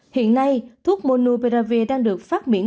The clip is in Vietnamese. hiện nay thuốc monopiravir đang được phát triển